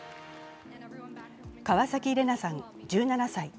川崎レナさん１７歳。